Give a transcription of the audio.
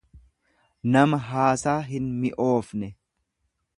nama haasaa hinmi'oofne.